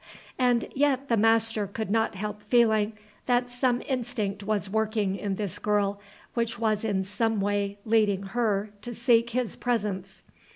And yet the master could not help feeling that some instinct was working in this girl which was in some way leading her to seek his presence.